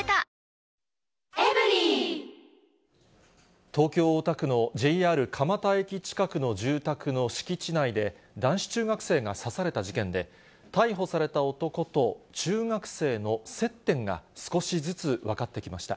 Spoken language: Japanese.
トーンアップ出た東京・大田区のＪＲ蒲田駅近くの住宅の敷地内で男子中学生が刺された事件で、逮捕された男と中学生の接点が少しずつ分かってきました。